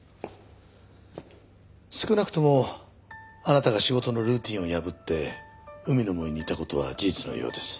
少なくともあなたが仕事のルーティンを破って海の森にいた事は事実のようです。